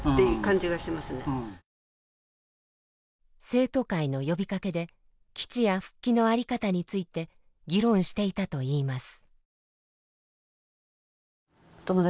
生徒会の呼びかけで基地や復帰の在り方について議論していたといいます。